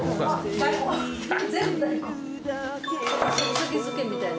酒漬けみたいな。